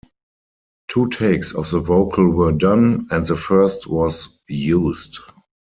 Two takes of the vocal were done, and the first was used.